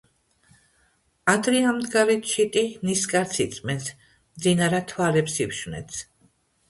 ადრე ამდგარი ჩიტი ნისკარტს იწმენდს, მძინარა - თვალებს იფშვნეტს